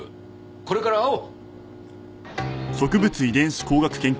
これから会おう。